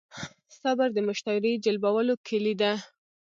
صبر د مشتری جلبولو کیلي ده.